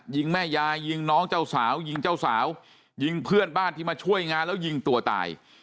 ยิงแม่ยายยิงน้องเจ้าสาวยิงเจ้าสาวยิงเพื่อนบ้านที่มาช่วยงานแล้วยิงตัวตาย